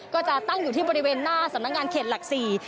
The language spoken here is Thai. ก็จะตั้งอยู่ที่บริเวณหน้าสำนักงานเขตหลักสี่